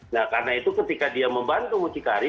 nah karena itu ketika dia membantu mucikari